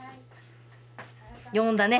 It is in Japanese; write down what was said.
読んだね？